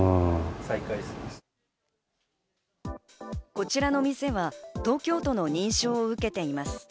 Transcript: こちらの店は東京都の認証を受けています。